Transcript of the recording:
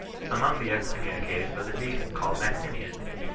Among the excommunicated was a deacon called Maximian.